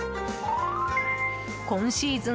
今シーズン